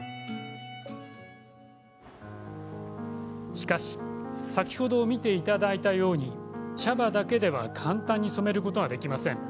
しかし先ほど見ていただいたように茶葉だけでは簡単に染めることができません。